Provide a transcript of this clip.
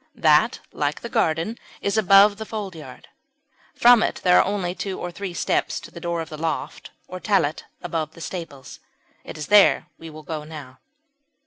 That, like the garden, is above the foldyard; from it there are only two or three steps to the door of the loft or "tallet" above the stables. It is there that we will go now.